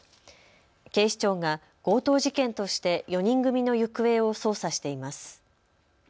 警視庁が強盗事件として４人組の行方を捜査しています。